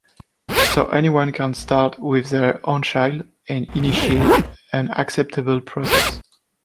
So anyone can start with their own child and initiate an acceptable process.